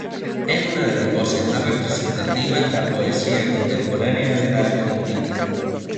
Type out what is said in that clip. Es una de las voces más representativas la poesía contemporánea de la Argentina.